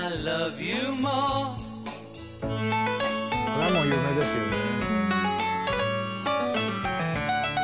これはもう有名ですよね。